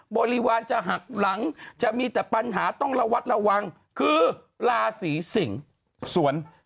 บริวารจะหักหลังจะมีแต่ปัญหาต้องระวัดระวังคือราศีสิงสวน